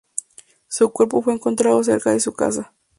Su cuerpo fue encontrado cerca de su casa.